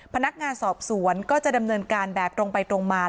พนักงานสอบสวนก็จะดำเนินการแบบตรงไปตรงมา